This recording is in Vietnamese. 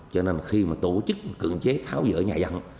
cho nên khi mà tổ chức cưỡng chế tháo dỡ nhà dân